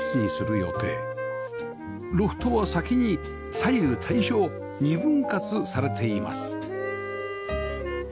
ロフトは先に左右対称２分割されています